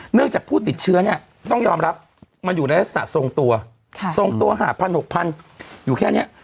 จากผู้ติดเชื้อเนี่ยต้องยอมรับมันอยู่ในลักษณะทรงตัวทรงตัว๕๐๐๖๐๐อยู่แค่นี้